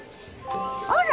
あら！